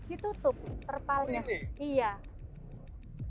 iya kepalanya di atas